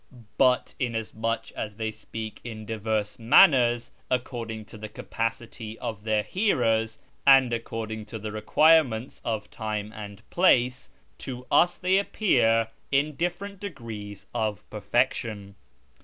But inasmuch as they speak in divers manners, accord ing to the capacity of their hearers, and according to the requirements of time and place, to us they appear in different degrees of perfection.